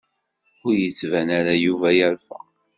Ur yettban ara Yuba yerfa.